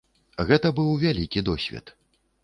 Гэта быў вялікі досвед.